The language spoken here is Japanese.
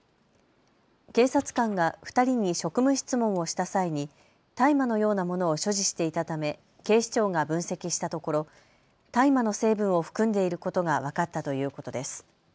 警察官が２人に職務質問をした際に大麻のようなものを所持していたため警視庁が分析したところ大麻の成分を含んでいることが分かったということです。